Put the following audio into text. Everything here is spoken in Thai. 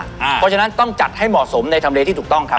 เพราะฉะนั้นต้องจัดให้เหมาะสมในทำเลที่ถูกต้องครับ